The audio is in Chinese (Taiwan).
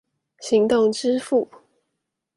行動支付